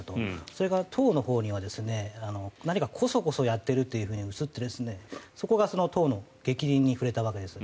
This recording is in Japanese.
それから、党のほうには何かこそこそやっていると映ってそこが党の逆鱗に触れたわけです。